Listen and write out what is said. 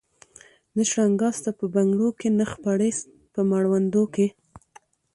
نه شرنګا سته په بنګړو کي نه خپړي مړوندو کي